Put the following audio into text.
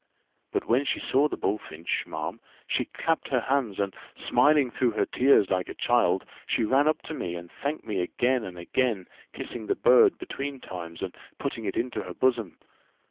But when she saw the bullfinch, ma'am, she clapped her hands, and, smiling through her tears like a child, she ran up to me, and thanked me again and again, kissing the bird between times, and putting it into her bosom.